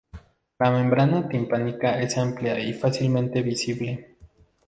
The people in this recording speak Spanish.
La membrana timpánica es amplia y fácilmente visible.